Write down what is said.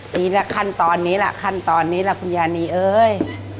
นี่แหละขั้นตอนนี้ล่ะขั้นตอนนี้ล่ะคุณยานีเอ้ย